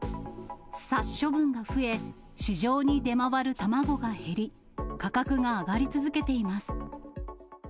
殺処分が増え、市場に出回る卵が減り、価格が上がり続けています。